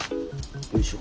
よいしょ。